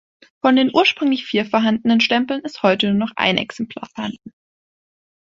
Von den ursprünglich vier vorhandenen Stempeln ist heute nur noch ein Exemplar vorhanden.